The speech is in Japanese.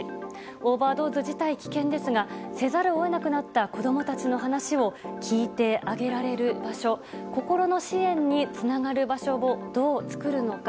オーバードーズ自体危険ですがせざるを得なくなった子供たちの話を聞いてあげられる場所心の支援につながる場所をどう作るのか。